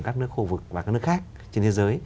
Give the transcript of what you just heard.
các nước khu vực và các nước khác trên thế giới